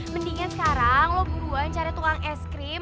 mendingan sekarang loh buruan cari tukang es krim